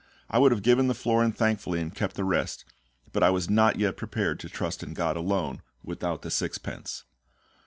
I would have given the florin thankfully and kept the rest; but I was not yet prepared to trust in GOD alone, without the sixpence.